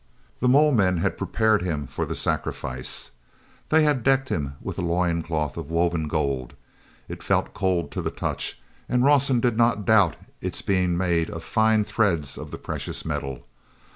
The mole men had prepared him for the sacrifice. They had decked him with a loin cloth of woven gold. It felt cold to the touch, and Rawson did not doubt its being made of fine threads of the precious metal.